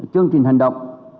chương trình hành động